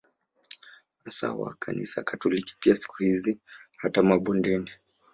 Hasa wa kanisa katoliki pia Siku hizi hata mabondeni